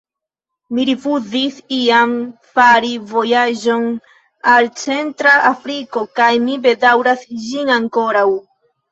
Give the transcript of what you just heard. Mi rifuzis iam fari vojaĝon al Centra Afriko, kaj mi bedaŭras ĝin ankoraŭ.